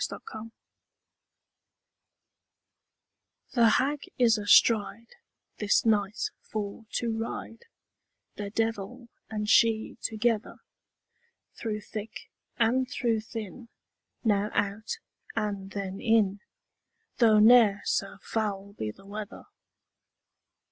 THE HAG The Hag is astride, This night for to ride, The devil and she together; Through thick and through thin, Now out, and then in, Though ne'er so foul be the weather.